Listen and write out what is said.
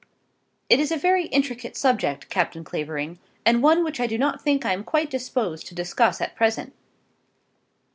"It is a very intricate subject, Captain Clavering, and one which I do not think I am quite disposed to discuss at present.